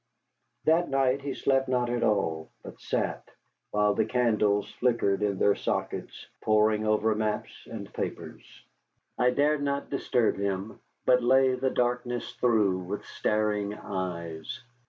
That night he slept not at all, but sat, while the candles flickered in their sockets, poring over maps and papers. I dared not disturb him, but lay the darkness through with staring eyes.